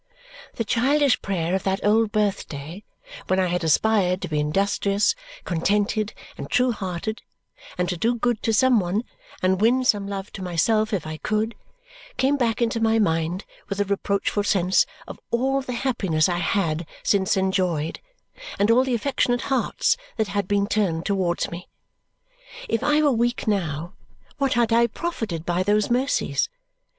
The childish prayer of that old birthday when I had aspired to be industrious, contented, and true hearted and to do good to some one and win some love to myself if I could came back into my mind with a reproachful sense of all the happiness I had since enjoyed and all the affectionate hearts that had been turned towards me. If I were weak now, what had I profited by those mercies?